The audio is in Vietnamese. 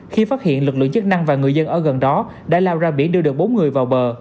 khi phát hiện lực lượng chức năng và người dân ở gần đó đã lao ra biển đưa được bốn người vào bờ